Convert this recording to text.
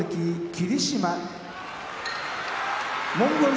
霧島モンゴル